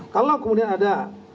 kalau kemudian ada